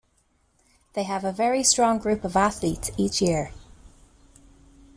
They have a very strong group of athletes each year.